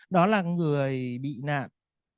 đó là người bị nạn